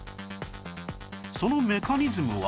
そのメカニズムは